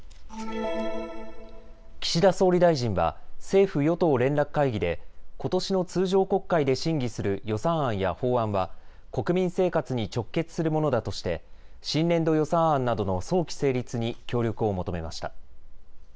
岸田総理大臣は政府与党連絡会議でことしの通常国会で審議する予算案や法案は国民生活に直結するものだとして新年度予算案などの早期成立に協力を求めました。